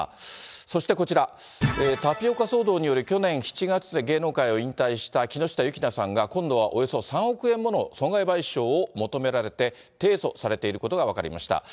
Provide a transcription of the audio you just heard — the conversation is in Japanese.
そしてこちら、タピオカ騒動により、去年７月で芸能界を引退した木下優樹菜さんが、今度はおよそ３億円もの損害賠償を求められて、提訴されていることが分かりました。